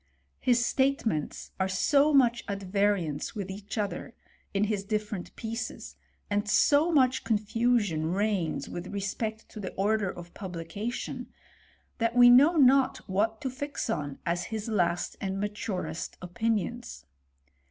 His statements are so much at variance with each other, in his different pieces, and so much confusion reigns with respect to the order of publication, that we know not what to fix on as his last and maturest opinions.